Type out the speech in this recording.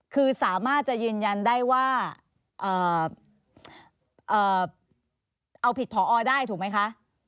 คือสามารถจะยืนยันได้ว่าเอาผิดพอได้ถูกไหมคะ